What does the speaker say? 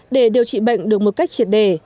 để điều trị bệnh được một cách triệt đề